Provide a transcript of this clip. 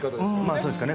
そうですかね